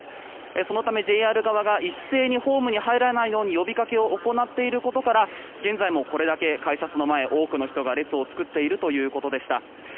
そのため、ＪＲ側が一斉にホームに入らないように呼びかけを行っていることから現在もこれだけ改札の前多くの人が列を作っているということでした。